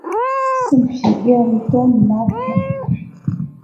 圣皮耶尔多里拉克。